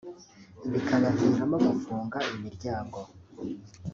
bikabaviramo gufunga imiryango